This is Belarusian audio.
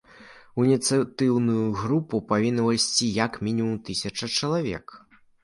У ініцыятыўную групу павінна ўвайсці як мінімум тысяча чалавек.